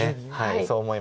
そう思います。